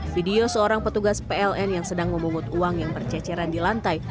video seorang petugas pln yang sedang memungut uang yang berceceran di lantai